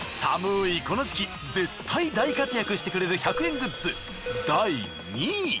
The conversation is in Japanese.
寒いこの時期絶対大活躍してくれる１００円グッズ第２位。